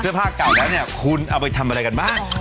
ผ้าเก่าแล้วเนี่ยคุณเอาไปทำอะไรกันบ้าง